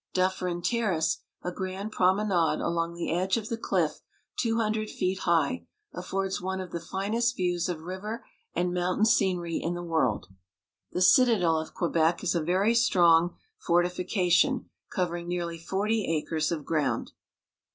Dufferin Terrace, a grand promenade along the edge of the cHff two hundred feet high, affords one of the finest views of river and mountain scen ery in the world. The citadel of Quebec is a very strong fortifi cation covering nearly forty acres of ground.